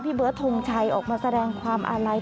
พี่เบิร์ดธงชัยออกมาแสดงความอะไลน์